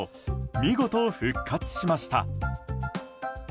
見事、復活しました。